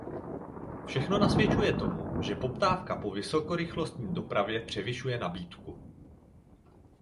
Všechno nasvědčuje tomu, že poptávka po vysokorychlostní dopravě převyšuje nabídku.